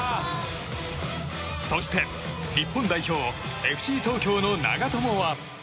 そして、日本代表ＦＣ東京の長友は。